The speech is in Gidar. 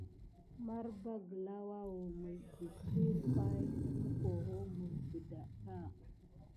Marba gəlà woua mis dəprire pay mukuho mis ɗədà.